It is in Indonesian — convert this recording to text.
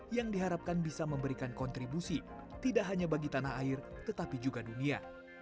yang diharapkan bisa memberikan kontribusi tidak hanya bagi tanah air tetapi juga dunia